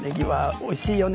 「おいしいよね」。